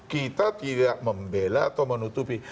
kita tidak membela atau menutupi